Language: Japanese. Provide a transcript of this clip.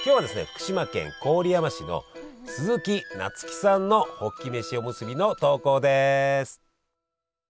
福島県郡山市のすずきなつきさんのホッキ飯おむすびの投稿です。